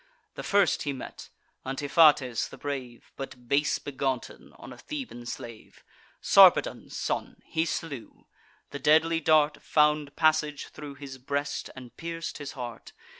The first he met, Antiphates the brave, But base begotten on a Theban slave, Sarpedon's son, he slew: the deadly dart Found passage thro' his breast, and pierc'd his heart.